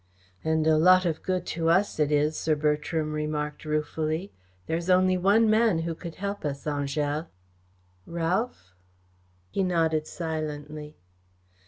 "And a lot of good to us it is," Sir Bertram remarked ruefully. "There is only one man who could help us, Angèle." "Ralph?" He nodded silently.